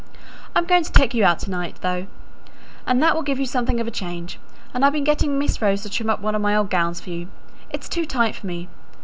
I'm going to take you out to night, though, and that will give you something of a change; and I've been getting Miss Rose to trim up one of my old gowns for you; it's too tight for me.